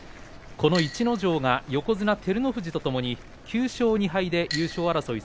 逸ノ城が横綱照ノ富士とともに９勝２敗で優勝争い